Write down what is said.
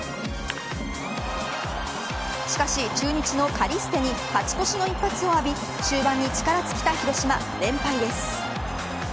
しかし中日のカリステに勝ち越しの一発を浴び終盤に力尽きた広島連敗です。